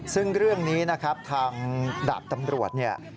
ซึ่งเรื่องนี้นะครับทางดาบตำรวจเนี่ย